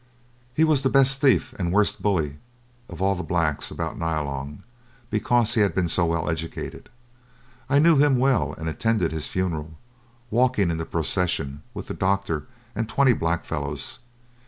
He was the best thief and the worst bully of all the blacks about Nyalong, because he had been so well educated. I knew him well, and attended his funeral, walking in the procession with the doctor and twenty blackfellows.